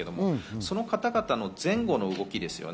その方々の前後の動きです。